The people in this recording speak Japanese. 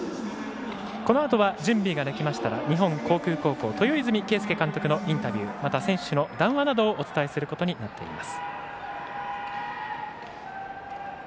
このあとは準備ができました日本航空高校、豊泉啓介監督のインタビューまた選手の談話などをお伝えすることになっています。